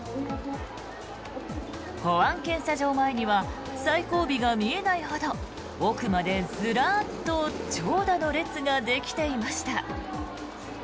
保安検査場前には最後尾が見えないほど奥までずらっと長蛇の列ができていました。